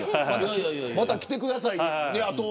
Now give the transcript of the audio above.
また来てくださいよ。